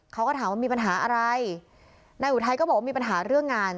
เขาก็ถามว่ามีปัญหาอะไรนายอุทัยก็บอกว่ามีปัญหาเรื่องงาน